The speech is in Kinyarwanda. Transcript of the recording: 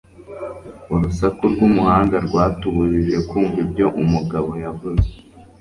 Urusaku rwumuhanda rwatubujije kumva ibyo umugabo yavuze